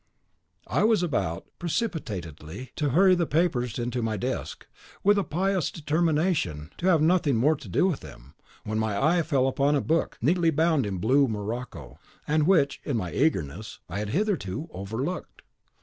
I was about, precipitately, to hurry the papers into my desk, with a pious determination to have nothing more to do with them, when my eye fell upon a book, neatly bound in blue morocco, and which, in my eagerness, I had hitherto overlooked.